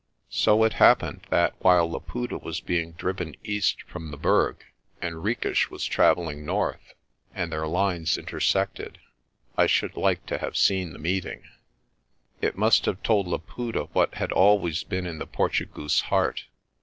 So it happened that while Laputa was being driven east from the Berg, Henriques was travelling north, and their lines intersected. I should like to have seen the meeting. ARCOLL'S SHEPHERDING 227 It must have told Laputa what had always been in the Portu goose's heart.